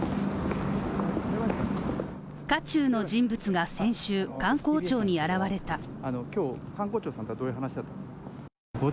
渦中の人物が先週、観光庁に現れた。